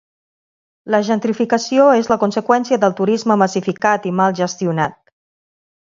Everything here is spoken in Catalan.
La gentrificació és la conseqüència del turisme massificat i mal gestionat.